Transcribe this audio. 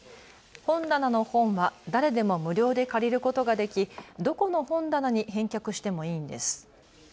本棚の本は誰でも無料で借りることができ、どこの本棚に返却してもいいんです。